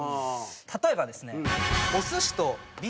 例えばですね。